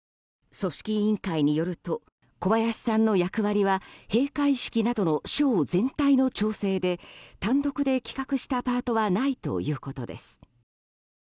組織委員会によると小林さんの役割は閉会式などのショー全体の調整で単独で企画したパートはないということです。